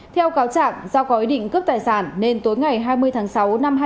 theo cáo trạng do có ý định cướp tài sản nên tối ngày hai mươi tháng sáu năm hai nghìn hai mươi ba